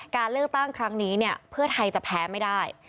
การเลือกตั้งครั้งนี้เนี่ยเพื่อไทยจะแพ้ไม่ได้